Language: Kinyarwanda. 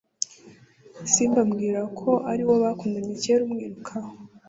simbi ambwira ko ari iwo bakundanye cyera umwiruka ho